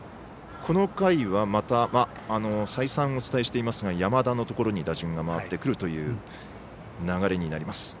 この回は、また再三お伝えしていますが山田のところに打順が回ってくるという流れになります。